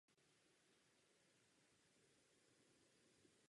Omezený přístup k alkoholu platí i v některých islámských a buddhistických státech.